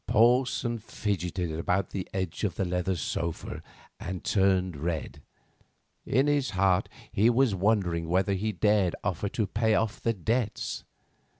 Porson fidgeted about on the edge of the leather sofa and turned red. In his heart he was wondering whether he dared offer to pay off the debts.